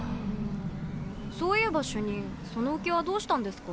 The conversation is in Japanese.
そういえば主任その浮輪どうしたんですか？